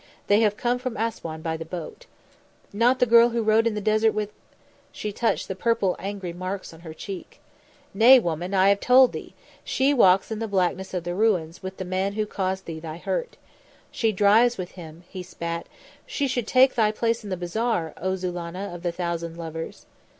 They have come from Assouan by the boat." "Not the girl who rode in the desert with " She touched the purple angry marks on her cheek. "Nay, woman; I have told thee, she walks in the blackness of the ruins, with the man who caused thee thy hurt. She drives with him," he spat, "she should take thy place in the bazaar, O Zulannah of the thousand lovers."